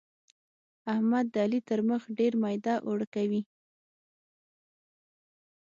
احمد د علي تر مخ ډېر ميده اوړه کوي.